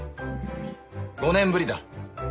５年ぶりだ。